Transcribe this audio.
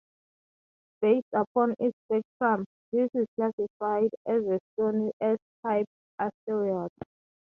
Based upon its spectrum, this is classified as a stony S-type asteroid.